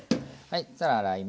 はい。